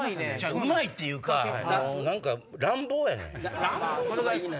うまいっていうか乱暴やねん。